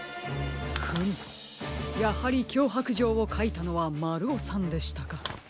フムやはりきょうはくじょうをかいたのはまるおさんでしたか。